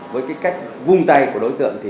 với cách vung tay của đối tượng